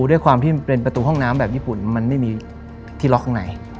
ด้วยความที่มันเป็นประตูห้องน้ำแบบญี่ปุ่นมันไม่มีที่ล็อกข้างใน